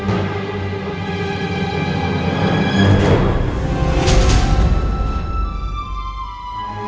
apa benar itu